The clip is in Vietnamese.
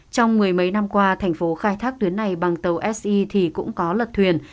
trong mười mấy năm qua thành phố khai thác tuyến này bằng tàu se thì cũng có lật thuyền